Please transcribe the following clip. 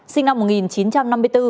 sinh năm một nghìn chín trăm năm mươi bốn